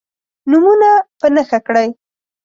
نومونه په نښه کړئ.